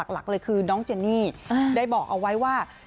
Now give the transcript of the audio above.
หลักเลยคือน้องเจนี่ได้บอกเอาไว้ว่า